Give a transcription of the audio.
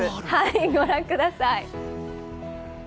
御覧ください。